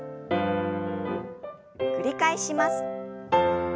繰り返します。